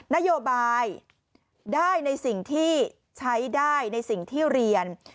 นโยบายได้ในสิ่งที่ใช้ได้ในสิ่งที่เรียน